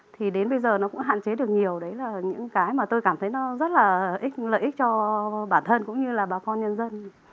thì đến bây giờ nó cũng hạn chế được nhiều đấy là những cái mà tôi cảm thấy nó rất là lợi ích cho bản thân cũng như là bà con nhân dân